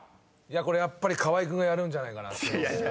これやっぱり河合君がやるんじゃないかなと。